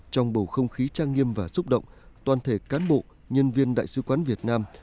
trong bầu không khí trang nghiêm và xúc động toàn thể cán bộ nhân viên đại sứ quán việt nam